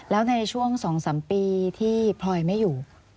แล้วในช่วง๒๓ปีที่พลอยไม่อยู่